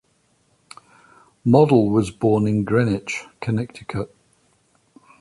Model was born in Greenwich, Connecticut.